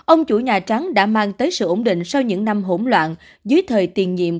ông chủ nhà trắng đã mang tới sự ổn định sau những năm hỗn loạn dưới thời tiền nhiệm